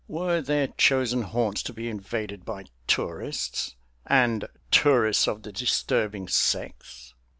Were their chosen haunts to be invaded by tourists and tourists of the disturbing sex?